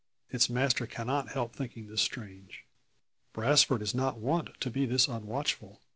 Its master cannot help thinking this strange. Brasfort is not wont to be thus unwatchful.